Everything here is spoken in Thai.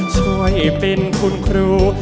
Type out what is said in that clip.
ช่วยเป็นคุณครู